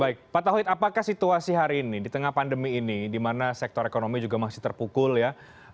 baik pak tauhid apakah situasi hari ini di tengah pandemi ini di mana sektor ekonomi juga masih terpukul ya